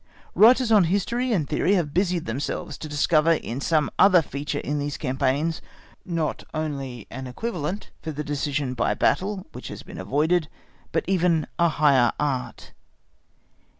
Writers on history and theory have then busied themselves to discover in some other feature in these campaigns not only an equivalent for the decision by battle which has been avoided, but even a higher art.